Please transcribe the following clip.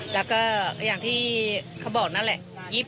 แล้วก็อย่างที่เขาบอกนั่นแหละ